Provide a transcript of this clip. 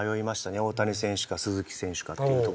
大谷選手か鈴木選手かっていうとこ。